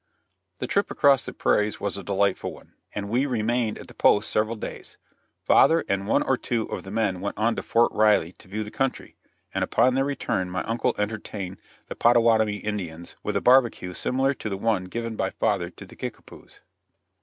The trip across the prairies was a delightful one, and we remained at the post several days. Father and one or two of the men went on to Fort Riley to view the country, and upon their return my uncle entertained the Pottawattamie Indians with a barbecue similar to the one given by father to the Kickapoos.